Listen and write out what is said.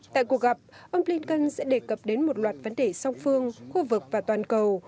tại cuộc gặp ông blinken sẽ đề cập đến một loạt vấn đề song phương khu vực và toàn cầu